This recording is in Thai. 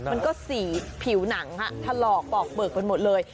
มันก็สีผิวหนังถลอกปอกเปลือกไปหมดเลย